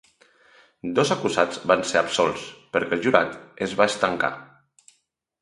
Dos acusats van ser absolts perquè el jurat es va estancar.